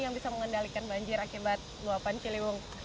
yang bisa mengendalikan banjir akibat luapan kali cilewung